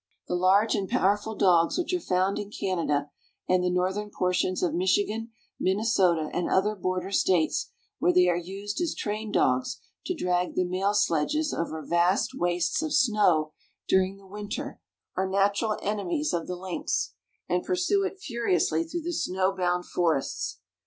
] The large and powerful dogs which are found in Canada and the northern portions of Michigan, Minnesota, and other border States, where they are used as train dogs to drag the mail sledges over vast wastes of snow during the winter, are natural enemies of the lynx, and pursue it furiously through the snow bound forests.